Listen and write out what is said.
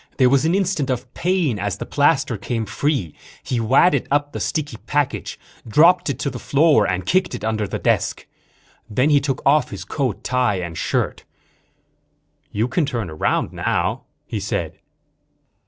There was an instant of pain as the plaster came free. He wadded up the sticky package, dropped it to the floor and kicked it under the desk. Then he took off his coat, tie and shirt. "You can turn around now," he said.